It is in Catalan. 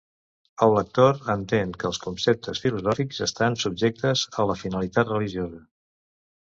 El lector entén que els conceptes filosòfics estan subjectes a la finalitat religiosa.